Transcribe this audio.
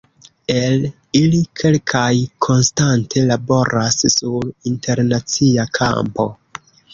El ili kelkaj konstante laboras sur internacia kampo.